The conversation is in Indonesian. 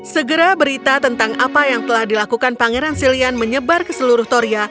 segera berita tentang apa yang telah dilakukan pangeran silian menyebar ke seluruh toria